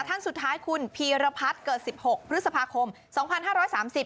ท่านสุดท้ายคุณพีรพัฒน์เกิด๑๖พฤษภาคม๒๕๓๐